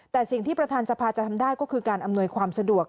แต่สิ่งที่ประธานสภาจะทำได้ก็คือการอำนวยความสะดวก